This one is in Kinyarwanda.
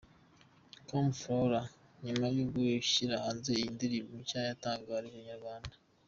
com Flora nyuma yo gushyira hanze iyi ndirimbo nshya yatangarije Inyarwanda.